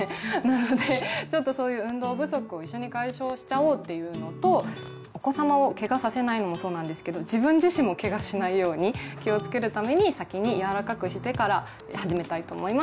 なのでちょっとそういう運動不足を一緒に解消しちゃおうというのとお子様をけがさせないのもそうなんですけど自分自身もけがしないように気をつけるために先に柔らかくしてから始めたいと思います。